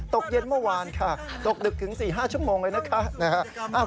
ตกเย็นเมื่อวานค่ะตกดึกถึง๔๕ชั่วโมงเลยนะคะ